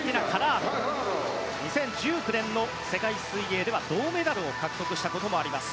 ２０１９年の世界水泳では銅メダルを獲得したこともあります。